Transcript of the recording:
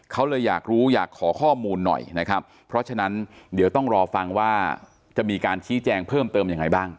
เขาเลยอยากรู้อยากขอข้อมูลหน่อยนะครับเพราะฉะนั้นเดี๋ยวต้องรอฟังว่าจะมีการชี้แจงเพิ่มเติมยังไงบ้าง